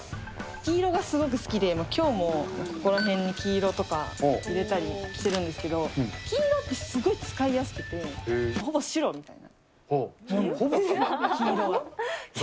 黄色がすごく好きで、きょうもここらへんに黄色とか入れたりしてるんですけど、黄色ってすごい使いやすくて、ほぼ白みたいな。